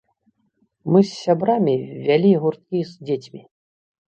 Мы з сябрамі вялі гурткі з дзецьмі.